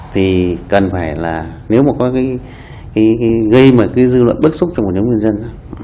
thì cần phải là nếu có gây dư luận bất xúc cho một nhóm nhân dân